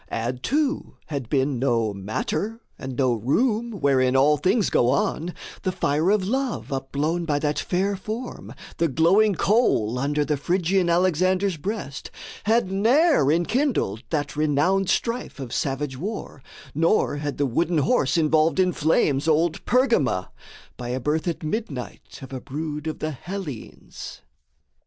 Add, too, had been no matter, and no room Wherein all things go on, the fire of love Upblown by that fair form, the glowing coal Under the Phrygian Alexander's breast, Had ne'er enkindled that renowned strife Of savage war, nor had the wooden horse Involved in flames old Pergama, by a birth At midnight of a brood of the Hellenes.